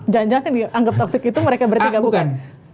jangan jangan dianggap toxic itu mereka bertiga bukan